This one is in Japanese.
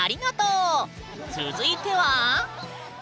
続いては？